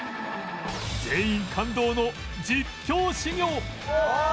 全員感動の実況修業